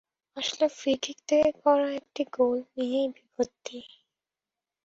আসলে ফ্রিকিক থেকে করা একটি গোল নিয়েই বিপত্তি।